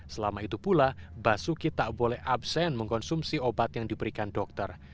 selama itu pula basuki tak boleh absen mengkonsumsi obat yang diberikan dokter